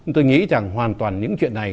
tôi nghĩ rằng hoàn toàn những chuyện này